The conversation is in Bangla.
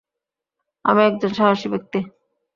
আমি একজন সাহসী ব্যাক্তি।